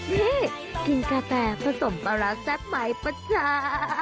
เฮ้กินกาแฟผสมปาราแซ่บไหมป่ะจ๊า